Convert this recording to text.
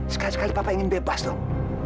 sekali sekali papa ingin bebas dong